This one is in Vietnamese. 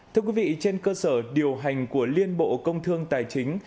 thưa quý vị trên cơ sở điều hành của liên bộ công thương tài chính